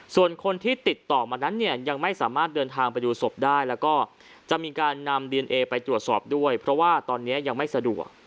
ส่วนคนที่ติดต่อมานั้นเนี่ยยังไม่สามารถเดินทางไปดูศพได้แล้วก็จะมีการนำดีเอนเอไปตรวจสอบด้วยเพราะว่าตอนนี้ยังไม่สะดวก